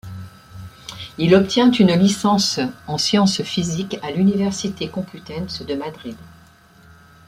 Il obtient une licence en Sciences physiques à l'Université Complutense de Madrid.